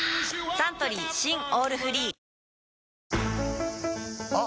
サントリー新「オールフリー」あ！